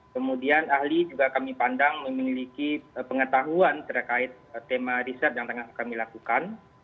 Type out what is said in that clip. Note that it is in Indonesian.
kemudian ahli juga kami pandang memiliki pengetahuan terkait tema riset yang tengah kami lakukan